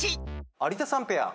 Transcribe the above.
有田さんペア。